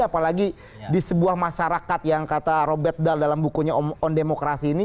apalagi di sebuah masyarakat yang kata robert dal dalam bukunya on demokrasi ini